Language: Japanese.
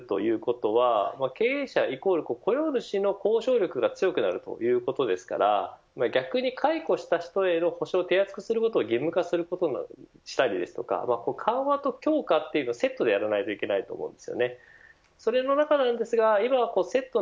解雇の規制緩和をするということは経営者イコール雇用主の交渉力が強くなるということですから逆に解雇した人への保障を手厚くすることを義務化することをしたり緩和と強化というのセットでやらないといけないと思います。